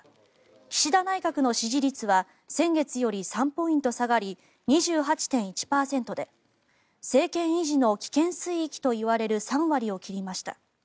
岸田内閣の支持率は先月より３ポイント下がり２８．１％で政権維持の危険水域といわれる３割を切りました。